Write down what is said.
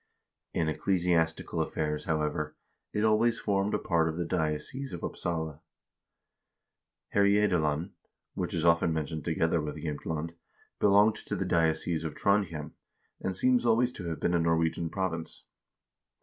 1 In ecclesiastical affairs, however, it always formed a part of the diocese of Upsala. Herjedalen, which is often mentioned together with Jsemtland, belonged to the diocese of Trondhjem, and seems always to have been a Norwegian province.